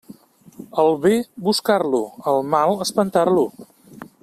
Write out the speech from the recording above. Al bé, buscar-lo; al mal, espantar-lo.